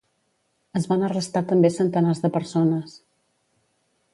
Es van arrestar també centenars de persones.